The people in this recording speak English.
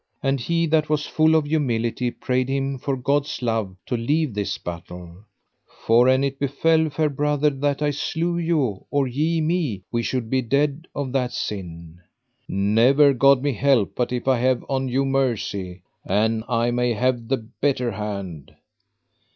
And he that was full of humility prayed him for God's love to leave this battle: For an it befell, fair brother, that I slew you or ye me, we should be dead of that sin. Never God me help but if I have on you mercy, an I may have the better hand.